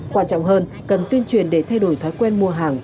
quan trọng hơn cần tuyên truyền để thay đổi thói quen mua hàng